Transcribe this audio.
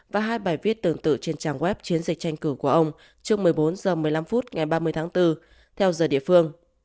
và hai bài viết tương tự trên trang web chiến dịch tranh cử của ông trước một mươi bốn h một mươi năm phút ngày ba mươi tháng bốn theo giờ địa phương